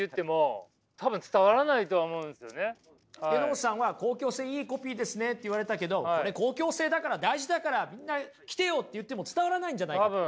榎本さんは公共性いいコピーですねって言われたけど「これ公共性だから大事だからみんな来てよ！」って言っても伝わらないんじゃないかと？